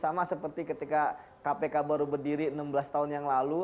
sama seperti ketika kpk baru berdiri enam belas tahun yang lalu